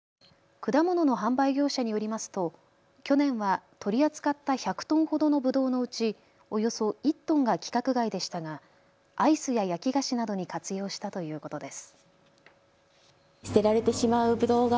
果物の販売業者によりますと去年は取り扱った１００トンほどのぶどうのうち、およそ１トンが規格外でしたがアイスや焼き菓子などに活用したということです。